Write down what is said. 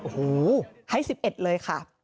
๑๑ค่ะให้๑๑เลยค่ะ